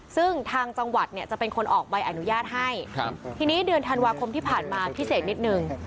ซึ่งทางจังหวัดเนี่ยจะเป็นคนออกใบอนุญาตให้ครับทีนี้เดือนธันวาคมที่ผ่านมาพิเศษนิดนึง